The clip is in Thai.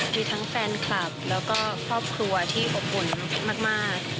มีทั้งแฟนคลับแล้วก็ครอบครัวที่อบอุ่นมาก